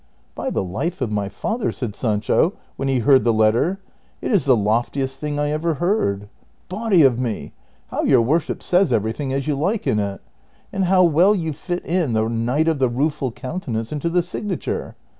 " By the life of my father," said Sancho, when he heard the letter, " it is the loftiest thing I ever heard. Body of me ! how your worship says everything as you like in it ! And how well you fit in ' The Knight of the Rueful Countenance ' into the signature.